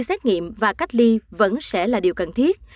các thách nghiệm và cách ly vẫn sẽ là điều cần thiết